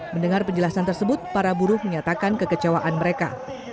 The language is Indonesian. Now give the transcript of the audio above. mendengar penjelasan tersebut para buruh menyatakan kekecewaan mereka